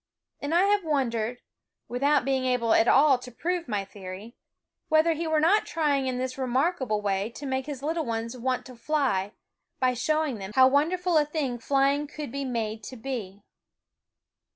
And I have wondered without being able at all to prove my theory whether he were not trying in this remark able way to make his little ones want to fly by showing them how wonderful a thing flying could be made to be.